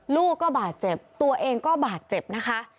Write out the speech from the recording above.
ลูกก็บาดเจ็บตัวเองก็บาดเจ็บนะคะ